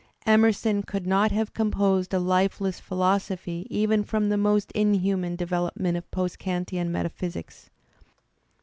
Emerson could not have composed a lifeless philosophy even from the most inhuman development of post Kantian metaphysics.